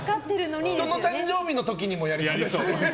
人の誕生日の時にもやりそうだしね。